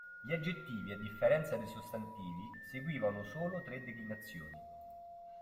Gli aggettivi a differenza dei sostantivi seguivano solo tre declinazioni.